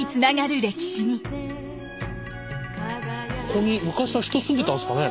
ここに昔は人住んでたんですかね。